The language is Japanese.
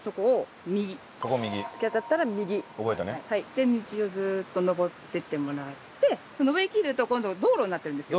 で道をずーっと上っていってもらって上りきると今度は道路になってるんですよ。